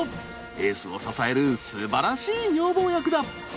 エースを支えるすばらしい女房役だ。